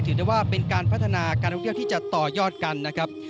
ถือได้ว่าเป็นการพัฒนาการที่จะต่อยอดกันนะครับ